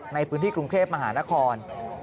ในพื้นที่กรุงเทพมหานคร